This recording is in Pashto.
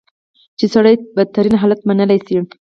چې سړی بدترین حالت منلی شي.